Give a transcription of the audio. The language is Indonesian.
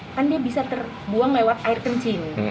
kan dia bisa terbuang lewat air kencing